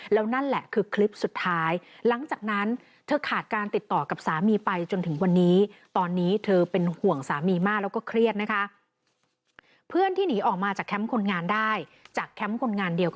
แล้วนั่นแหละคือคลิปสุดท้าย